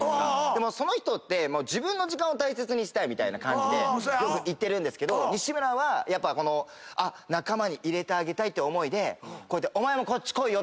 でもその人って自分の時間を大切にしたいみたいな感じでよくいってるんですけど西村はやっぱ仲間に入れてあげたいっていう思いで「お前もこっち来いよ」